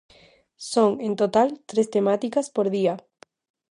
Son, en total, tres temáticas por día.